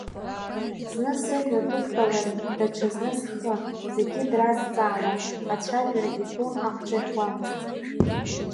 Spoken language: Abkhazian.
Зны сыжәҩа дықәтәаларын, даҽазны схы, зегьы дразҵаауан, ацәажәара игәы ақәҿыӷьуамызт.